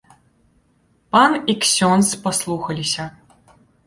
Пан і ксёндз паслухаліся.